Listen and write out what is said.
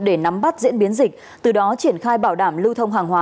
để nắm bắt diễn biến dịch từ đó triển khai bảo đảm lưu thông hàng hóa